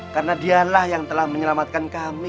karena dialah yang telah menyelamatkan kami